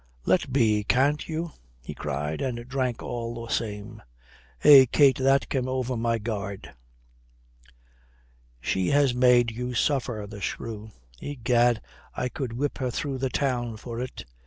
"Let be, can't you?" he cried, and drank all the same. "Eh, Kate that came over my guard.... She has made you suffer, the shrew. Egad, I could whip her through the town for it."